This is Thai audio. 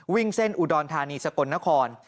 วิ่งเส้นอุดรธานีสกลนคร